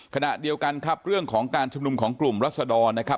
ขณะเดียวกันครับเรื่องของการชุมนุมของกลุ่มรัศดรนะครับ